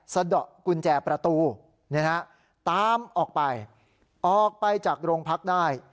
สะดอกกุญแจประตูเนี่ยฮะตามออกไปออกไปจากโรงพรรคได้